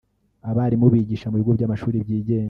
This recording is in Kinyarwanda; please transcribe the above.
abarimu bigisha mu bigo by’amashuri byigenga